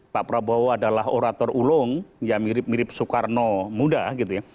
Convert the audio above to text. pak prabowo adalah orator ulung yang mirip mirip soekarno muda gitu ya